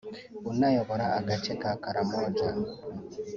unayobora agace ka Karamoja